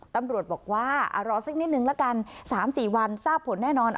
ตำรวจบอกว่ารอสักนิดนึงละกัน๓๔วันทราบผลแน่นอน